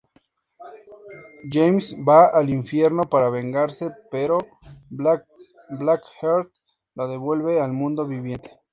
James va al infierno para vengarse, pero Blackheart lo devuelve al mundo viviente.